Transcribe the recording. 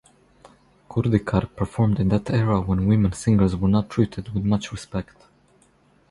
Kurdikar performed in that era when women singers were not treated with much respect.